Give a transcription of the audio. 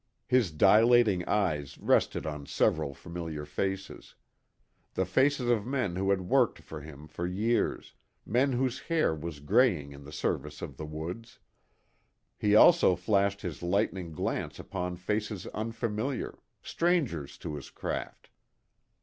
His dilating eyes rested on several familiar faces. The faces of men who had worked for him for years, men whose hair was graying in the service of the woods. He also flashed his lightning glance upon faces unfamiliar, strangers to his craft.